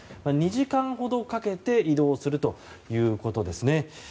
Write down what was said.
２時間ほどかけて移動するということですね。